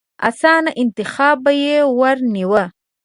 اسانه انتخاب به يې ورنيوه.